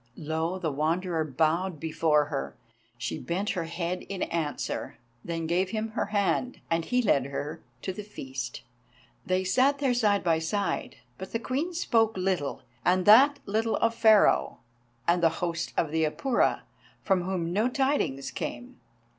Low the Wanderer bowed before her. She bent her head in answer, then gave him her hand, and he led her to the feast. They sat there side by side, but the Queen spoke little, and that little of Pharaoh and the host of the Apura, from whom no tidings came.